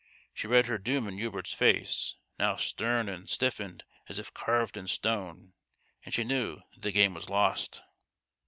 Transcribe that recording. She read her doom in Hubert's face, now stern and stiffened as if carved in stone, and she knew that the game was lost.